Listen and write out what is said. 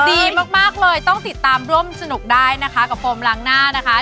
ดีมากเลยต้องติดตามร่วมสนุกได้นะคะกับโฟมล้างหน้านะคะ